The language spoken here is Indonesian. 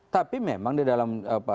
tapi memang di dalam